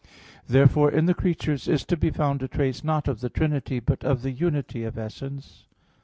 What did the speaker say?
Therefore in the creature is to be found a trace not of the Trinity but of the unity of essence.